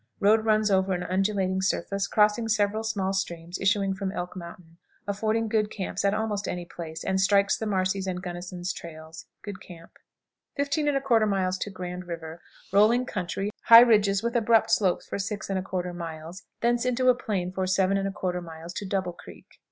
Road runs over an undulating surface, crossing several small streams issuing from Elk Mountain, affording good camps at almost any place, and strikes Marcy's and Gunnison's trails. Good camp. 15 1/4. Grand River. Rolling country; high ridges with abrupt slopes for 6 1/4 miles; thence into a plain for 7 1/4 miles to Double Creek.